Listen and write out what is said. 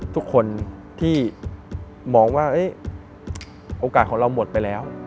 ทุกคนที่มองว่าโอกาสของเราหมดไปแล้ว